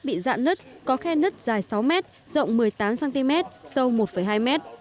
bị dạn nứt có khe nứt dài sáu m rộng một mươi tám cm sâu một hai mét